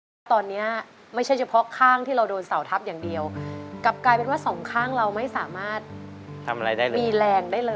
คือต้องใช้ค่ารักษาเท่าไรจ๊ะ